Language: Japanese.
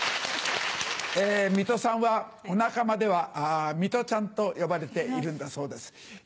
ミトさんはお仲間では「ミトちゃん」と呼ばれているんだそうです。